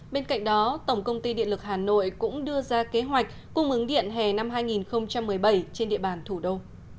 bên cạnh đó tổng công ty điện lực hà nội cũng đưa ra kế hoạch cung ứng điện hè năm hai nghìn một mươi bảy trên địa bàn thủ đô